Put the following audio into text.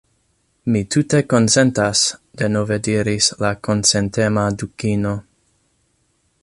"Mi tute konsentas," denove diris la konsentema Dukino. "